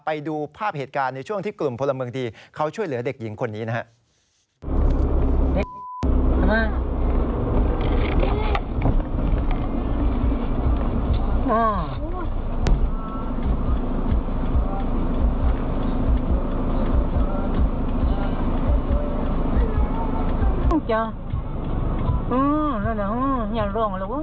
ไปดูภาพเหตุการณ์ในช่วงที่กลุ่มพลเมืองดีเขาช่วยเหลือเด็กหญิงคนนี้นะครับ